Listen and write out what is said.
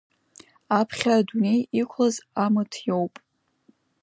Аԥхьа адунеи иқәлаз Амыҭ иоуп…